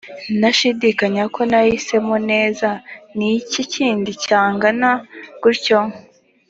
ntashidikanya ko nahisemo neza ni iki kindi cyangana gutyo‽